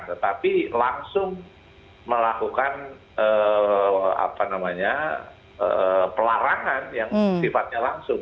tetapi langsung melakukan pelarangan yang sifatnya langsung